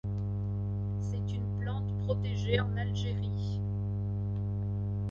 C'est une plante protégée en Algérie.